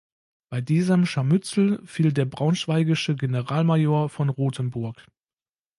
Bei diesem Scharmützel fiel der braunschweigische Generalmajor von Rothenburg.